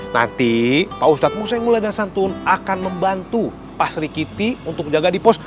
nanti pak ustadz museum mula dan santun akan membantu pak sri kiti untuk jaga di pos